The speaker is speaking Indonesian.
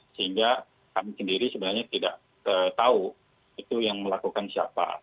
sehingga kami sendiri sebenarnya tidak tahu itu yang melakukan siapa